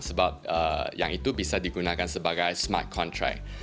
sebab yang itu bisa digunakan sebagai smart contract